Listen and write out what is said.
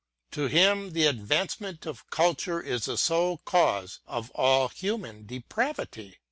To him the advancement of culture is the sole cause of all human depravity.